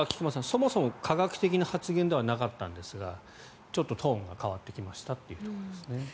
そもそも科学的な発言ではなかったんですがちょっとトーンが変わってきましたというところですね。